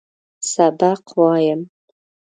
سبق وایم.